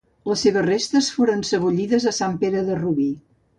Les seves restes foren sebollides a Sant Pere de Rubí.